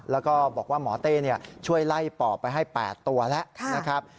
แล้วก็บอกว่าหมอเต้ช่วยไล่ปอบไปให้๘ตัวแล้วนะครับ